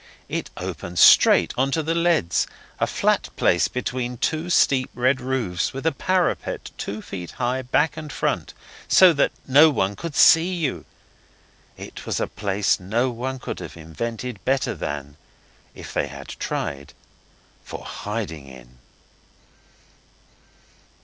It opened straight on to the leads, a flat place between two steep red roofs, with a parapet two feet high back and front, so that no one could see you. It was a place no one could have invented better than, if they had tried, for hiding in.